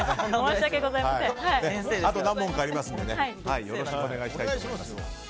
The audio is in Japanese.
あと何問かありますのでよろしくお願いいたします。